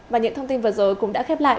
và những thông tin vừa rồi cũng đã khép lại